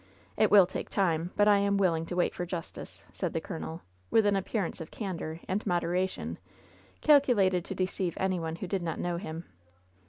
It will take time, but I am willing to wait for justice, said the colonel, with an appearance of candor and moderation calculated to de* ceive any one who did not know him.